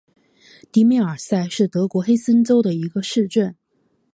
迪梅尔塞是德国黑森州的一个市镇。